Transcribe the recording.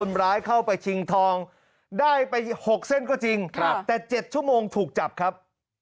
ร้ายเข้าไปชิงทองได้ไป๖เส้นก็จริงแต่๗ชั่วโมงถูกจับครับ